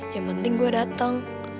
yang penting gue dateng